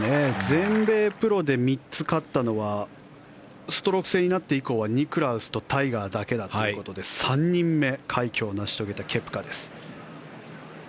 全米プロで３つ勝ったのはストローク制になって以降はニクラウスとタイガーだけだということで３人目快挙を成し遂げたケプカです。